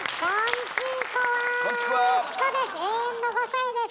永遠の５さいです。